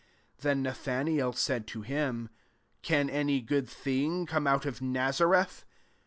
46 Th^ NidbMiael caid to bim) " Can any good thing come out of Natareth